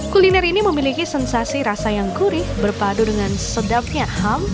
kuliner ini memiliki sensasi rasa yang gurih berpadu dengan sedapnya ham